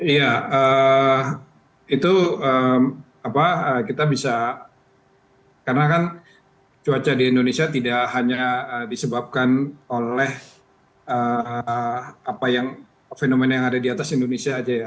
iya itu kita bisa karena kan cuaca di indonesia tidak hanya disebabkan oleh apa yang fenomena yang ada di atas indonesia saja ya